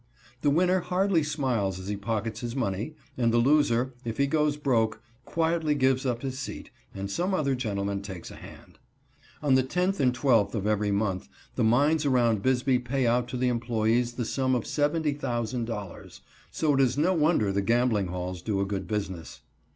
The winner hardly smiles as he pockets his money, and the loser, if he goes broke, quietly gives up his seat and some other gentleman takes a hand. On the 10th and 12th of every month the mines around Bisbee pay out to the employees the sum of $70,000, so it is no wonder the gambling halls do a good business.